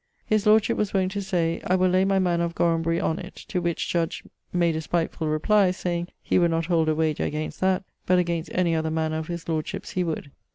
His lordship was wont to say, I will lay my mannor of Gorambery on't, to which Judge ... made a spightfull reply, saying he would not hold a wager against that, but against any other mannour of his lordship's he would.